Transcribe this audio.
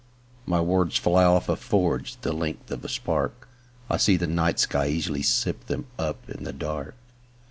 My words fly off a forgeThe length of a spark;I see the night sky easily sip themUp in the dark.